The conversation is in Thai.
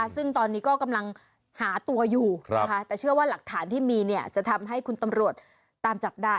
ซึ่งตอนนี้ก็กำลังหาตัวอยู่แต่เชื่อว่าหลักฐานที่มีเนี่ยจะทำให้คุณตำรวจตามจับได้